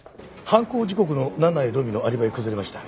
犯行時刻の七井路美のアリバイ崩れました。